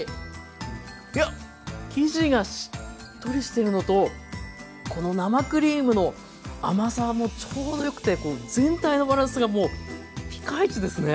いやっ生地がしっとりしてるのとこの生クリームの甘さもちょうどよくて全体のバランスがもうピカイチですね。